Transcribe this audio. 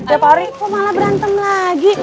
tiap hari kok malah berantem lagi